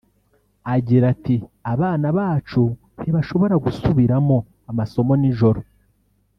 Agira ati “Abana bacu ntibashobora gusubiramo amasomo nijoro